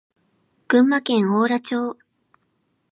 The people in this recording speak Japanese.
群馬県邑楽町